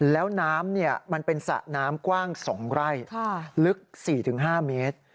แล้วน้ำมันเป็นสระน้ำกว้าง๒ไร่ลึก๔๕เมตร